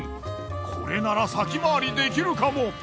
これなら先回りできるかも。